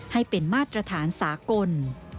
ให้เป็นมาตรฐานสากล